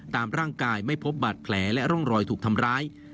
ตามร่างกายไม่พบบาดแผลและร่องรอยถูกทำร้าย